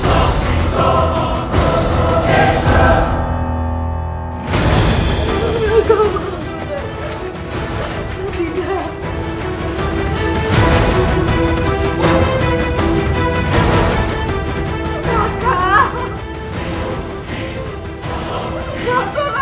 aku tak bisa